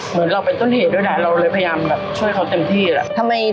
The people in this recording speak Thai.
เหมือนเราเป็นต้นเหตุด้วยนะเราเลยพยายามแบบช่วยเขาเต็มที่แหละ